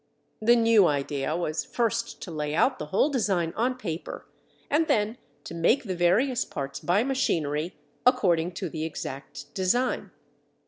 The new idea was first to lay out the whole design on paper and then to make the various parts by machinery according to the exact design.